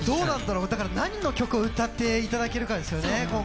何の曲を歌っていただけるかですよね、今回。